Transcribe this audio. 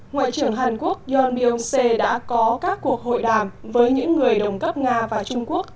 ngoại trưởng hàn quốc jeon byung se đã có các cuộc hội đàm với những người đồng cấp nga và trung quốc